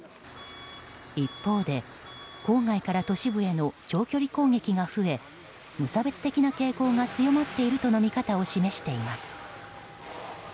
一方で郊外から都市部への長距離攻撃が増え無差別的な傾向が強まっているとの見方も示しています。